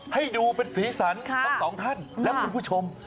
ให้ดูเป็นศีรีสรรค์ทั้ง๒ท่านและคุณผู้ชม